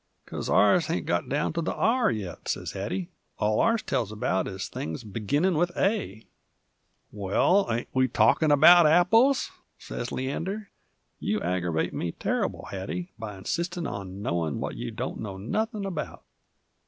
"'Cause ours hain't got down to the R yet," sez Hattie. "All ours tells about is things beginnin' with A." "Well, ain't we talkin' about Apples?" sez Leander. "You aggervate me terrible, Hattie, by insistin' on knowin' what you don't know nothin' 'bout."